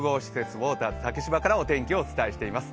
ウォーターズ竹芝からお天気をお伝えしています。